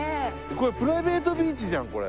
これプライベートビーチじゃんこれ。